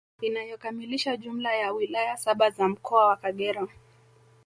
Inayokamilisha jumla ya wilaya saba za Mkoa wa Kagera